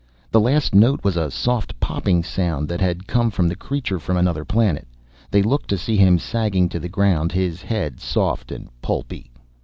The last note was a soft popping sound that had come from the creature from another planet. They looked to see him sagging to the ground, his head soft and pulpy.